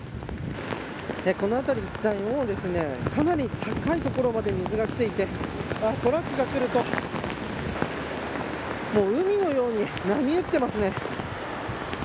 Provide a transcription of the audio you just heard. この辺り一帯かなり高い所まで水がきていてトラックが来るともう海のように波打ってますね。